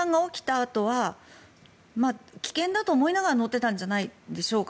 あとは危険だと思いながら乗っていたんじゃないでしょうか。